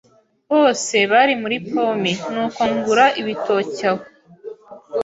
Bose bari muri pome, nuko ngura ibitoki aho.